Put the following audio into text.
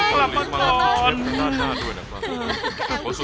กลับมาก่อน